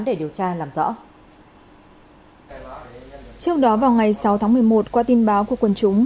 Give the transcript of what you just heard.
để điều tra làm rõ vào ngày sáu tháng một mươi một qua tin báo của quân chúng